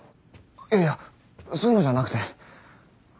いやいやそういうのじゃなくて。